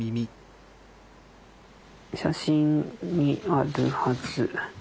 写真にあるはず。